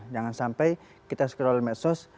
jangan sampai kita scroll medsos